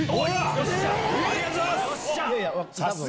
ありがとうございます！